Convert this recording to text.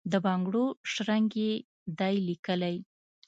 د بنګړو شرنګ یې دی لېکلی،